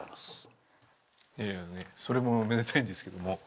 それもめでたいんですけども。